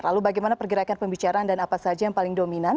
lalu bagaimana pergerakan pembicaraan dan apa saja yang paling dominan